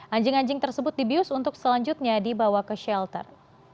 anjing anjing tersebut dibius untuk selanjutnya dibawa ke shelter